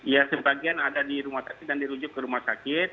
ya sebagian ada di rumah sakit dan dirujuk ke rumah sakit